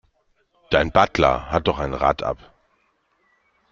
Dein Butler hat doch ein Rad ab.